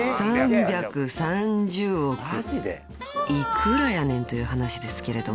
［「幾らやねん？」という話ですけれども］